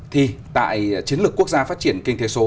thì tại chiến lược quốc gia phát triển kinh tế số